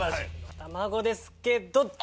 卵ですけど。